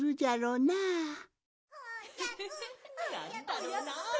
なんだろうな？